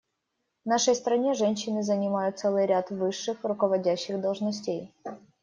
В нашей стране женщины занимают целый ряд высших руководящих должностей.